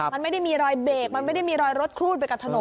มันไม่ได้มีรอยเบรกมันไม่ได้มีรอยรถครูดไปกับถนน